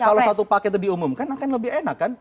kalau satu paket itu diumumkan akan lebih enak kan